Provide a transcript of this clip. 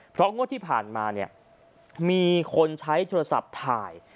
เพราะงวดที่ผ่านมาเนี่ยมีคนใช้โทรศัพท์ถ่าย